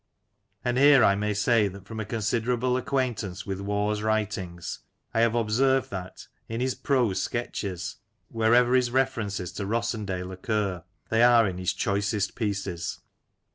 And here I may say that from a considerable acquaintance with Waugh's writings, I have observed that, in his prose sketches, wherever his references to Rossendale occur, they are in his choicest pieces.